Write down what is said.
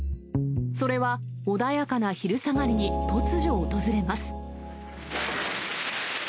それは、穏やかな昼下がりに突如訪れます。